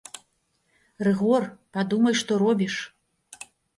Рыгор, падумай, што робіш!